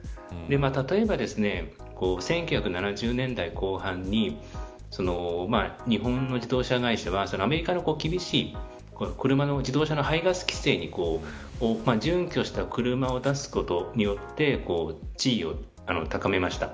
例えば１９７０年代後半に日本の自動車会社はアメリカの厳しい自動車の排ガス規制に準拠した車を出すことによって地位を高めました。